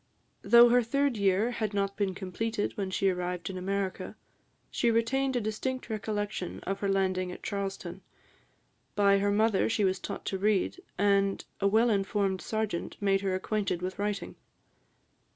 Though her third year had not been completed when she arrived in America, she retained a distinct recollection of her landing at Charlestown. By her mother she was taught to read, and a well informed serjeant made her acquainted with writing.